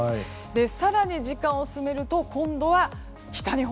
更に、時間を進めると今度は北日本。